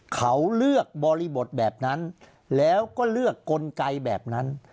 เขาเลือกบริบทแบบนั้นแล้วก็เลือกกลไกแบบนั้น